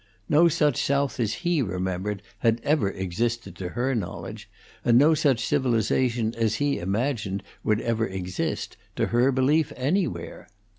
No such South as he remembered had ever existed to her knowledge, and no such civilization as he imagined would ever exist, to her belief, anywhere.